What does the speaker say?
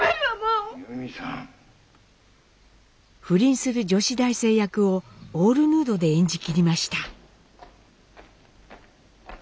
不倫する女子大生役をオールヌードで演じきりました。